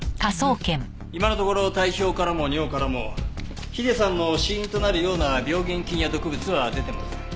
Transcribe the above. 今のところ体表からも尿からもヒデさんの死因となるような病原菌や毒物は出てません。